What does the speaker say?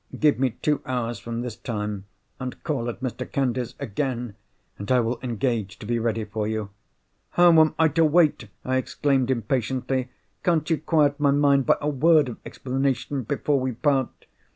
Give me two hours from this time, and call at Mr. Candy's again—and I will engage to be ready for you." "How am I to wait!" I exclaimed, impatiently. "Can't you quiet my mind by a word of explanation before we part?"